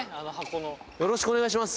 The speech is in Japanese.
よろしくお願いします。